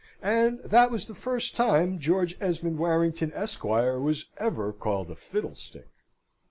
And this was the first time George Esmond Warrington, Esquire, was ever called a fiddlestick.